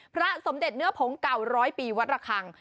พระสมเด็จเนื้อผงเก่าร้อยปีวัดระคัง